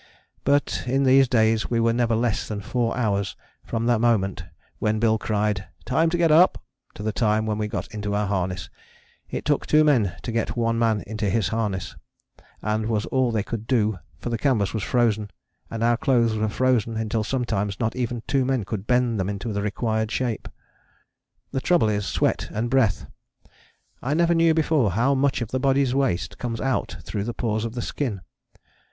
But in these days we were never less than four hours from the moment when Bill cried "Time to get up" to the time when we got into our harness. It took two men to get one man into his harness, and was all they could do, for the canvas was frozen and our clothes were frozen until sometimes not even two men could bend them into the required shape. The trouble is sweat and breath. I never knew before how much of the body's waste comes out through the pores of the skin.